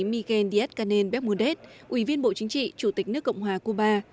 miguel díaz canel béc múndez ủy viên bộ chính trị chủ tịch nước cộng hòa cuba